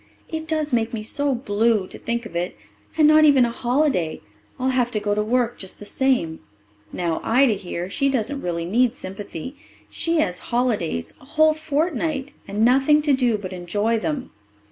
"It does make me so blue to think of it. And not even a holiday I'll have to go to work just the same. Now Ida here, she doesn't really need sympathy. She has holidays a whole fortnight and nothing to do but enjoy them."